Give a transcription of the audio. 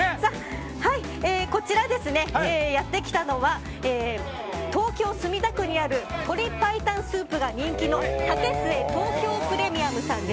こちら、やってきたのは東京・墨田区にある鶏白湯スープが人気の竹末東京プレミアム。